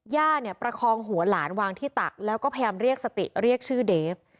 ย่าเนี่ยประคองหัวหลานวางที่ตักแล้วก็พยายามเรียกสติเรียกชื่อเดฟ